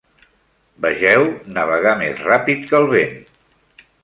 Vegeu "Navegar més ràpid que el vent".